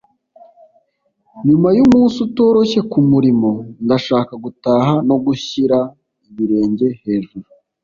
Nyuma yumunsi utoroshye kumurimo, ndashaka gutaha no gushyira ibirenge hejuru